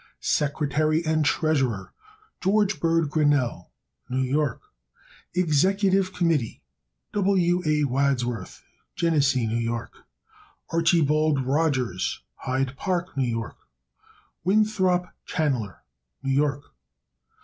Secretary and Treasurer. George Bird Grinnell, New York. Executive Committee. W. A. Wadsworth, Geneseo, N. Y. Archibald Rogers, Hyde Park, N. Y. Winthrop Chanler, New York.